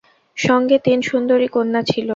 সঙ্গে তিন সুন্দরী কন্যা ছিল।